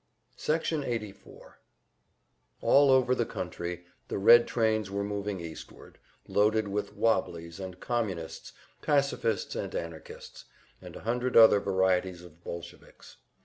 Section 84 All over the country the Red trains were moving eastward, loaded with "wobblies" and communists, pacifists and anarchists, and a hundred other varieties of Bolsheviks.